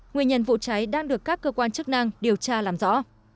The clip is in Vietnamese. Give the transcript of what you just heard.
nguyên nhân vụ cháy đang được các cơ quan chức năng điều tra làm rõ